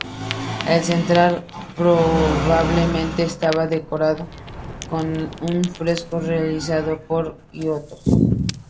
El central probablemente estaba decorado con un fresco realizado por Giotto.